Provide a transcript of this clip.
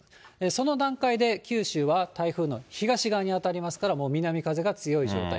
その段階で九州は台風の東側に当たりますから、もう南風が強い状態。